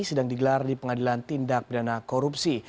sedang digelar di pengadilan tindak perdana korupsi